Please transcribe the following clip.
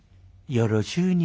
よろしゅうに。